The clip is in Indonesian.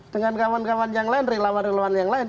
dengan kawan kawan yang lain relawan relawan yang lain